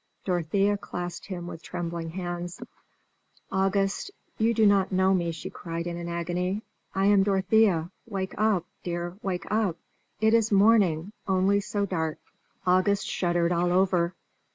Dorothea clasped him with trembling hands. "August! do you not know me!" she cried, in an agony. "I am Dorothea. Wake up, dear wake up! It is morning, only so dark!" August shuddered all over.